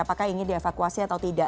apakah ingin dievakuasi atau tidak